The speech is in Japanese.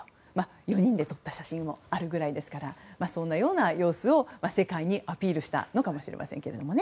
４人で撮った写真もあるぐらいですからそうした様子を世界にアピールしたのかもしれません。